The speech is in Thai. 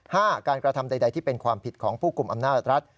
การกระทำใดที่เป็นความผิดของผู้กลุ่มอำนาจรัฐ